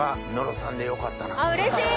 うれしい！